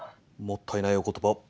もったいないお言葉。